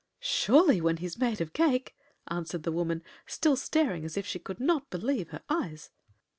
"Surely, when he's made of cake!" answered the woman, still staring as if she could not believe her eyes.